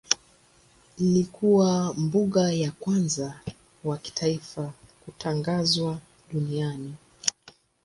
Ilikuwa mbuga ya kwanza wa kitaifa kutangazwa duniani.